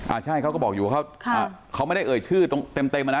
ใช่เขาก็บอกอยู่ว่าเขาไม่ได้เอ่ยชื่อตรงเต็มเต็มอ่ะนะ